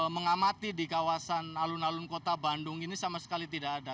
mengamati di kawasan alun alun kota bandung ini sama sekali tidak ada